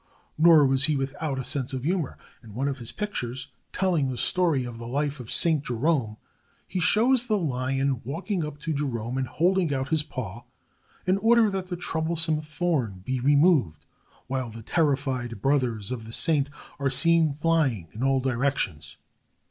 Nor was he without a sense of humor. In one of his pictures telling the story of the life of Saint Jerome he shows the lion walking up to Jerome and holding out his paw in order that the troublesome thorn might be removed, while the terrified brothers of the saint are seen flying in all directions.